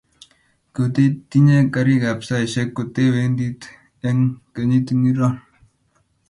koteteinye karik ab saishek kotewendati eng' kenyit ngiro